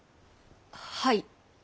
はい。